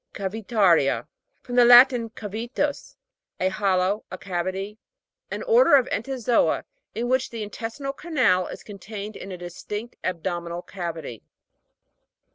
CAVITA'RIA. From the Latin, cam tas, a hollow, a cavity. An order of Entozoa, in which the intestinal canal is contained in a distinct abdominal cavity.